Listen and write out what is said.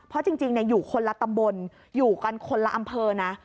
เพราะจริงอยู่คนละตำบลอยู่กันคนละอำเภอนะ